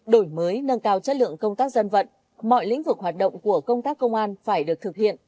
đổi mới nâng cao chất lượng công tác dân vận mọi lĩnh vực hoạt động của công tác công an phải được thực hiện